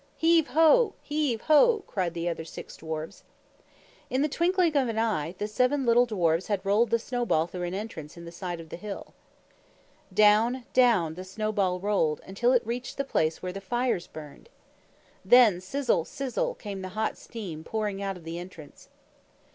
"Heave ho! Heave ho!" cried the other six dwarfs. In the twinkling of an eye, the seven little dwarfs had rolled the snowball through an entrance in the side of the hill. Down, down, the snowball rolled, until it reached the place where the fires burned. Then sizzle, sizzle, came the hot steam pouring out of the entrance.